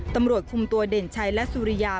ตำรวจคุมตัวเด่นชัยและสุริยา